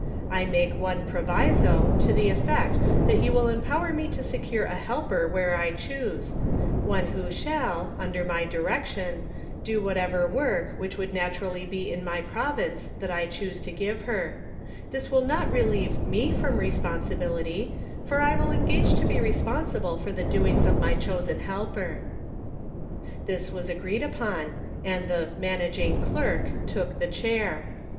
I make one proviso, to the effect that you will empower me to secure a helper where I choose ; one who shall, under my direction, do whatever work which would naturally be in my province that I choose to give her ; this will not relieve me from respon sibility, for I will engage to be responsible for the doings of my chosen helper." This was agreed upon, and the " managing clerk " took the chair.